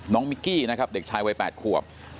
มิกกี้นะครับเด็กชายวัย๘ขวบ